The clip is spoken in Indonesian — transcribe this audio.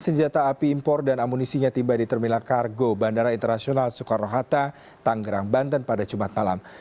senjata api impor dan amunisinya tiba di terminal kargo bandara internasional soekarno hatta tanggerang banten pada jumat malam